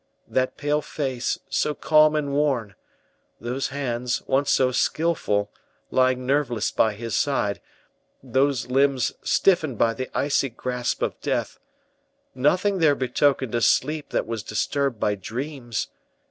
That pale face, so calm and worn; those hands, once so skillful, lying nerveless by his side; those limbs stiffened by the icy grasp of death; nothing there betokened a sleep that was disturbed by dreams.